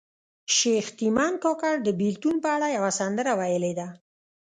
شیخ تیمن کاکړ د بیلتون په اړه یوه سندره ویلې ده